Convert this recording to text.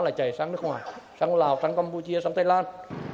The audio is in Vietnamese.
là chạy sang nước ngoài sang lào sang campuchia sang thái lan